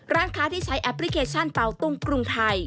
ร้านค้าที่ใช้แอปพลิเคชันเป่าตุ้งกรุงไทย